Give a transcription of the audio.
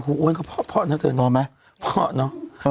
คุณอ้วนเค้าพอกน้องเตือนรอไหมพอกน้อง